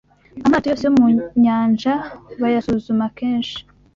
amato yose yo mu Nyanja bayasuzuma kenshi